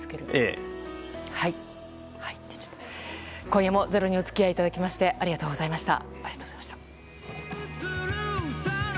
今夜も「ｚｅｒｏ」にお付き合いいただきましてありがとうございました。